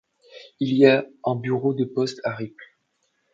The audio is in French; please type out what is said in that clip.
Il y a un bureau de poste à Ripples.